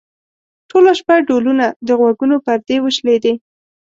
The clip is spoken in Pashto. ټوله شپه ډولونه؛ د غوږونو پردې وشلېدې.